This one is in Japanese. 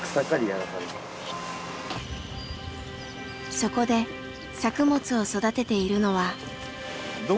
そこで作物を育てているのは。